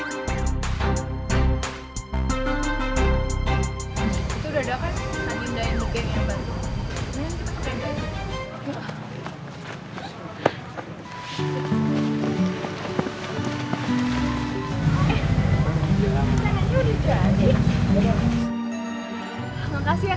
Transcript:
itu udah dapet